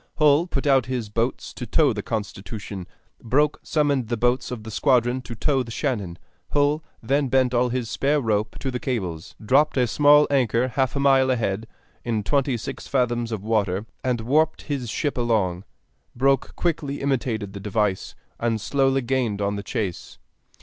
Hull put out his boats to tow the Constitution; Broke summoned the boats of the squadron to tow the Shannon. Hull then bent all his spare rope to the cables, dropped a small anchor half a mile ahead, in twenty six fathoms of water, and warped his ship along. Broke quickly imitated the device, and slowly gained on the chase.